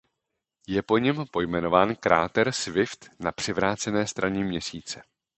Je po něm pojmenován kráter Swift na přivrácené straně Měsíce.